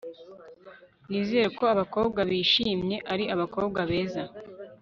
nizera ko abakobwa bishimye ari abakobwa beza